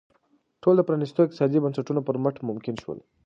ټول د پرانیستو اقتصادي بنسټونو پر مټ ممکن شول.